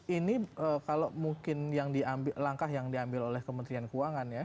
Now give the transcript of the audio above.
ini kalau mungkin yang diambil langkah yang diambil oleh kementerian keuangan ya